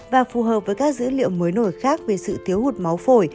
và phù hợp với các dữ liệu mới nổi khác về sự thiếu hụt máu phổi